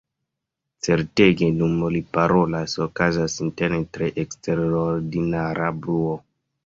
Certege, dum li parolas, okazas interne tre eksterordinara bruo.